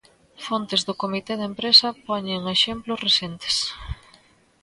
Fontes do comité de empresa poñen exemplos recentes.